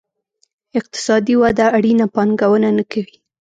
اقتصادي وده اړینه پانګونه نه کوي.